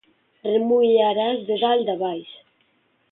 Remullaràs de dalt a baix.